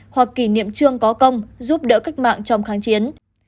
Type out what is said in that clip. hoặc kỷ niệm trương có công giúp đỡ cách mạng trong kháng chiến